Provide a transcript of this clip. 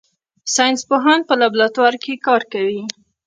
ساینس پوهان په لابراتوار کې کار کوي